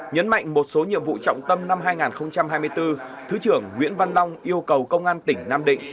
nhấn mạnh một số nhiệm vụ trọng tâm năm hai nghìn hai mươi bốn thứ trưởng nguyễn văn long yêu cầu công an tỉnh nam định